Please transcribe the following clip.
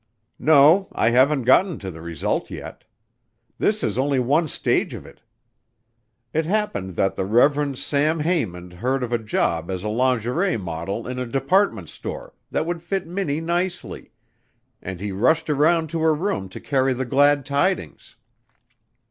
"No, I haven't, gotten to the result yet. This is only one stage of it. It happened that the Rev. Sam Haymond heard of a job as a lingerie model in a department store, that would fit Minnie nicely, and he rushed around to her room to carry the glad tidings.